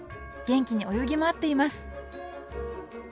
元気に泳ぎ回っています！